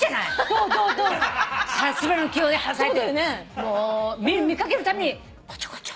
もう見かけるたんびにこちょこちょ。